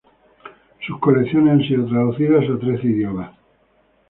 Sus colecciones han sido traducidas a trece idiomas.